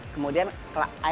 kemudian air kelapa mudanya fresh